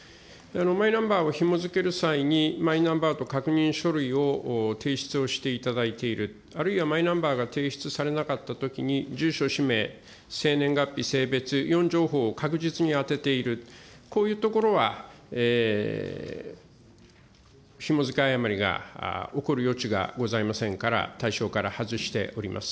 マイナンバーをひも付ける際に、マイナンバーと確認書類を提出をしていただいている、あるいはマイナンバーが提出されなかったときに、住所、氏名、生年月日、性別、４情報を確実に当てている、こういうところはひも付け誤りが起こる余地がございませんから、対象から外しております。